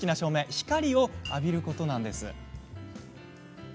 光を浴びることなんです。